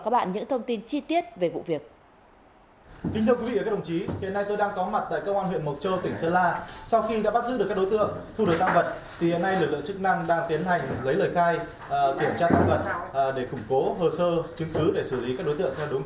để củng cố hờ sơ chứng cứ để xử lý các đối tượng theo đúng quy định pháp luật